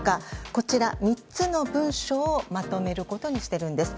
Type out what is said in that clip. こちらの３つの文書をまとめることにしているんです。